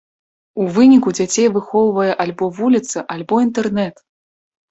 У выніку дзяцей выхоўвае альбо вуліца, альбо інтэрнэт!